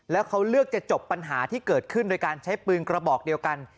แล้วเขาเลือกจะจบปัญหาที่เกิดขึ้นโดยการใช้ปืนกระบอกเดียวกัน